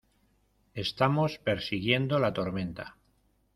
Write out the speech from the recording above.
estamos persiguiendo la tormenta.